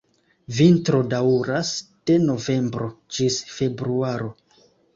Vintro daŭras de novembro ĝis februaro.